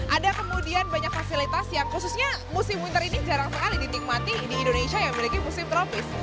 ada kemudian banyak fasilitas yang khususnya musim winter ini jarang sekali dinikmati di indonesia yang memiliki musim tropis